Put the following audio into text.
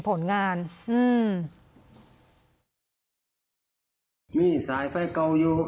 ห้ะนี่ผลงาน